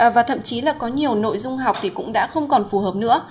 và thậm chí là có nhiều nội dung học thì cũng đã không còn phù hợp nữa